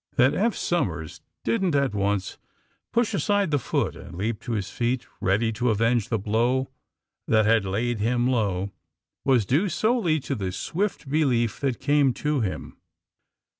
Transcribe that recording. That Eph Somers didn't at once push aside the foot and leap to his feet, ready to avenge the blow that had laid him low, was due solely to the swift belief that came to him.